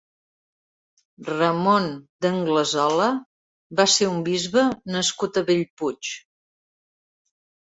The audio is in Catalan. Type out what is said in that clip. Ramon d'Anglesola va ser un bisbe nascut a Bellpuig.